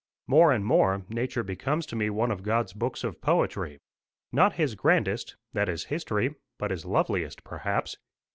More and more nature becomes to me one of God's books of poetry not his grandest that is history but his loveliest, perhaps.